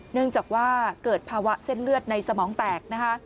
เนื่องจากว่าเกิดภาวะเส้นเลือดในสมองแตกนะคะ